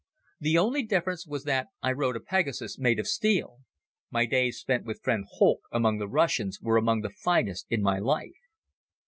The only difference was that I rode a Pegasus made of steel. My days spent with friend Holck among the Russians were among the finest in my life.